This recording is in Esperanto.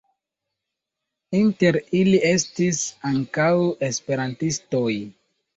Inter ili estis ankaŭ esperantistoj.